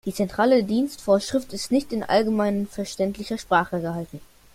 Die Zentrale Dienstvorschrift ist nicht in allgemeinverständlicher Sprache gehalten.